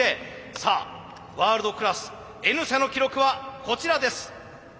さあワールドクラスＮ社の記録はこちらです。